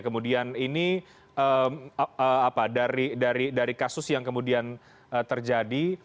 kemudian ini dari kasus yang kemudian terjadi